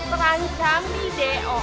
perancam di do